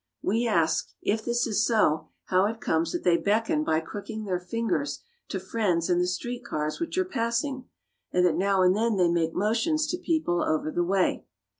We ask, if this is so, how it comes that they beckon by crooking their fingers to friends in the street cars which are passing, and that now and then they make motions to people over the way.